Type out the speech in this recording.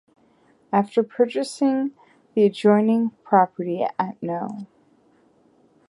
After purchasing the adjoining property at no.